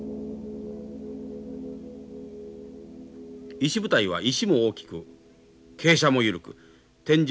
石舞台は石も大きく傾斜も緩く天井